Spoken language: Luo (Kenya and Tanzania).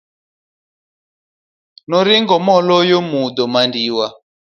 Noring'o maloyo mudho mandiwa.